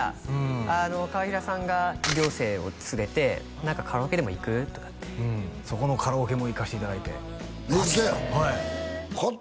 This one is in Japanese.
あの川平さんが寮生を連れて何かカラオケでも行く？とかってそこのカラオケも行かしていただいてえっ嘘やんマジっすか？